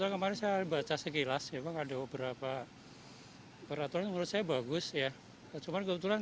kemarin saya baca sekilas memang ada beberapa peraturan menurut saya bagus ya cuman kebetulan